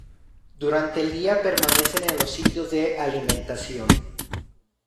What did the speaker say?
Durante el día permanecen en los sitios de alimentación.